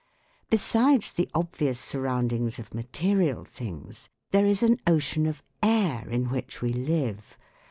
Besides the obvious surroundings of matni.il things, there is an ocean of air in which we live.